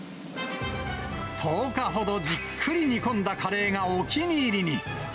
１０日ほどじっくり煮込んだカレーがお気に入りに。